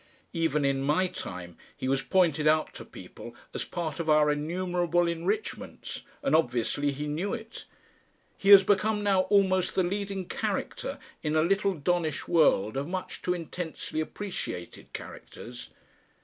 Even in my time he was pointed out to people as part of our innumerable enrichments, and obviously he knew it. He has become now almost the leading Character in a little donnish world of much too intensely appreciated Characters.